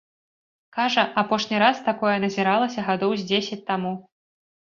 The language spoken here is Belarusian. Кажа, апошні раз такое назіралася гадоў з дзесяць таму.